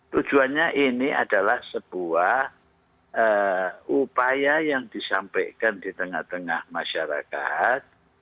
tujuannya ini adalah sebuah upaya yang disampaikan di tengah tengah masyarakat